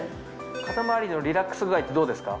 肩回りのリラックス具合ってどうですか？